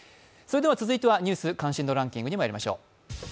続いては「ニュース関心度ランキング」にまいりましょう。